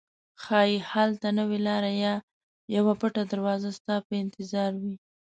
ښایي هلته نوې لاره یا یوه پټه دروازه ستا په انتظار وي.